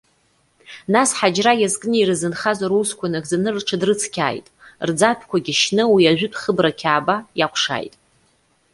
Нас, ҳаџьра иазкны ирзынхаз русқәа нагӡаны рҽыдрыцқьааит. Рӡатәқәагьы шьны, уи ажәытә хыбра Қьааба, иакәшааит.